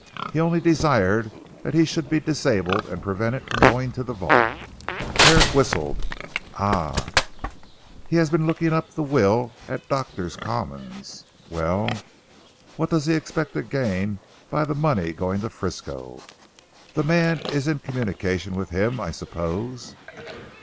He only desired that he should be disabled and prevented from going to the vault." Herrick whistled. "Ah, he has been looking up the will at Doctor's Commons. Well, and what does he expect to gain by the money going to Frisco? The man is in communication with him I suppose?"